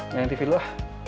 jalanin tv dulu